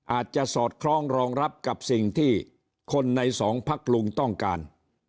สอดคล้องรองรับกับสิ่งที่คนในสองพักลุงต้องการ